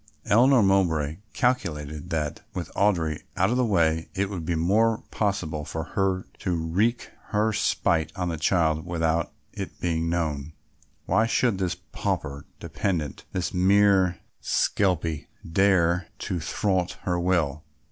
Eleanor Mowbray calculated that, with Audry out of the way, it would be more possible for her to wreak her spite on the child without it being known. Why should this pauper dependent, this mere skelpie, dare to thwart her will?